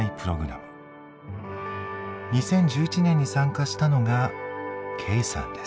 ２０１１年に参加したのがケイさんです。